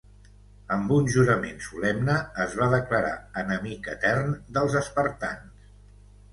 Amb un jurament solemne es va declarar enemic etern dels espartans.